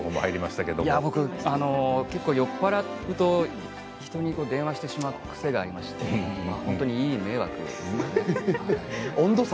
僕、酔っ払うと人に電話してしまう癖がありまして本当に迷惑ですよね。